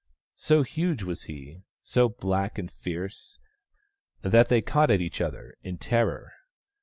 So huge was he, so black and fierce, that they caught at each other in terror.